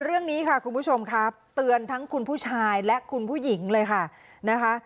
เรื่องนี้ค่ะคุณผู้ชมครับเตือนทั้งคุณผู้ชายและคุณผู้หญิงเลยค่ะนะคะ